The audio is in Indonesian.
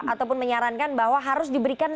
ataupun menyarankan bahwa harus diberikan